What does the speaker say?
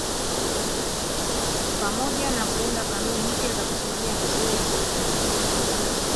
Pamoja na kuunda kanuni mpya za kusimamia vizuri sekta hizo